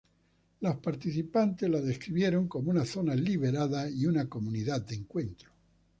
Los participantes la describieron como una "zona liberada" y una "comunidad de encuentro".